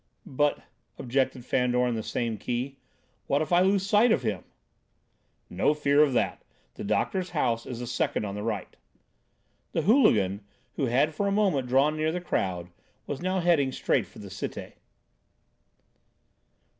"But," objected Fandor in the same key, "what if I lose sight of him?" "No fear of that. The doctor's house is the second on the right." The hooligan, who had for a moment drawn near the crowd, was now heading straight for the Cité.